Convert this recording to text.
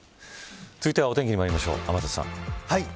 続いてはお天気にまいりましょう天達さん。